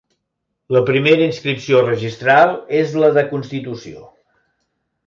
La primera inscripció registral és la de constitució.